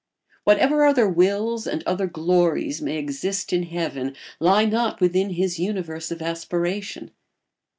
Whatever other wills and other glories may exist in heaven lie not within his universe of aspiration.